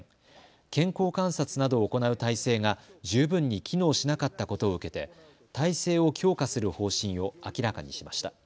健康観察などを行う体制が十分に機能しなかったことを受けて体制を強化する方針を明らかにしました。